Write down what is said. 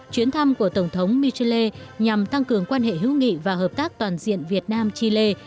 chuyến thăm của tổng thống michelle nhằm tăng cường quan hệ hữu nghị và hợp tác toàn diện việt nam chile